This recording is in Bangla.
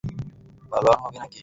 পালোয়ান হবি নাকি?